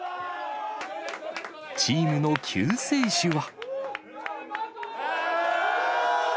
チームの救世主は。